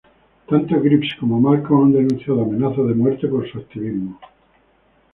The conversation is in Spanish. Tanto Greaves como Malcolm han denunciado amenazas de muerte por su activismo.